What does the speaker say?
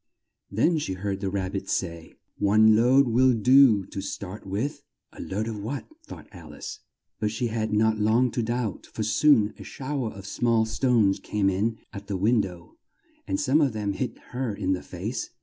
Then she heard the Rab bit say, "One load will do to start with." "A load of what?" thought Al ice, but she had not long to doubt, for soon a show er of small stones came in at the win dow, and some of them hit her in the face.